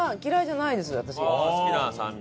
好きな酸味？